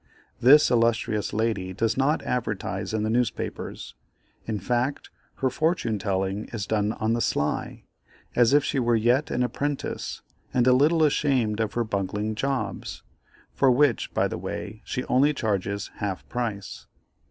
This illustrious lady does not advertise in the newspapers; in fact, her fortune telling is done on the sly, as if she were yet an apprentice, and a little ashamed of her bungling jobs, for which, by the way, she only charges half price.